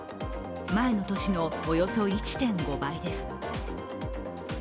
前の年のおよそ１．５倍です。